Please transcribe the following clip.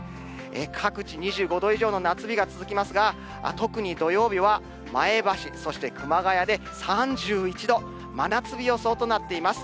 各地２５度以上の夏日が続きますが、特に土曜日は前橋、そして熊谷で３１度、真夏日予想となっています。